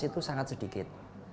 itu sangat sedikit